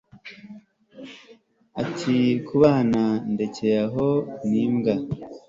ati kubana ndekeye aho ni mbwa